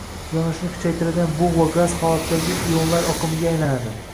yonishni kuchaytiradigan bug’ va gaz holatidagi ionlar oqimiga aylanadi.